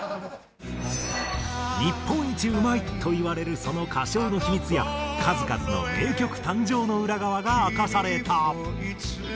日本一うまいといわれるその歌唱の秘密や数々の名曲誕生の裏側が明かされた。